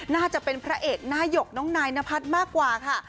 น่าจะเป็นพระเอกหน้าหยกน้องนายนพัฒน์มากกว่าค่ะ